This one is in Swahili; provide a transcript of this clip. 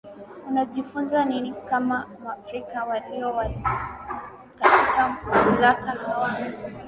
unajifunza nini kama mwafrika walio walio katika mamlaka hawa